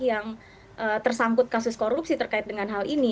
yang tersangkut kasus korupsi terkait dengan hal ini